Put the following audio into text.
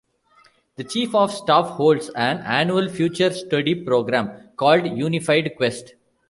The Chief of Staff holds an annual future study program called Unified Quest.